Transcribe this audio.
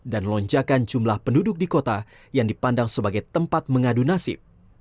dan lonjakan jumlah penduduk di kota yang dipandang sebagai tempat mengadu nasib